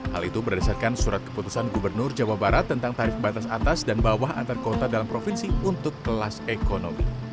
hal itu berdasarkan surat keputusan gubernur jawa barat tentang tarif batas atas dan bawah antar kota dalam provinsi untuk kelas ekonomi